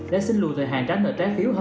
đã xin lùi thời hạn trái nợ trái phiếu